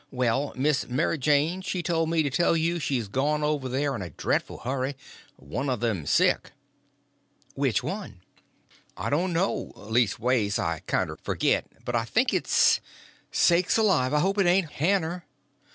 Well, Miss Mary Jane she told me to tell you she's gone over there in a dreadful hurry—one of them's sick." "Which one?" "I don't know; leastways, I kinder forget; but I thinks it's—" "Sakes alive, I hope it ain't _Hanner?